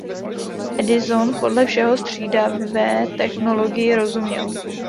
Edison podle všeho střídavé technologii rozuměl.